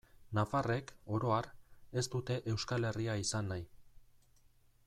Nafarrek, oro har, ez dute Euskal Herria izan nahi.